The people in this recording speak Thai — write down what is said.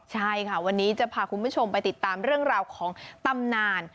ใช่ค่ะวันนี้จะพาคุณผู้ชมไปติดตามเรื่องราวของตำนาน